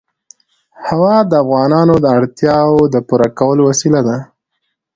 هوا د افغانانو د اړتیاوو د پوره کولو وسیله ده.